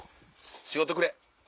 仕事くれ。